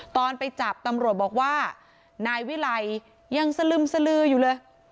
ตอนไปจับตำรวจบอกว่านายวิไลยังสลึมสลืออยู่เลย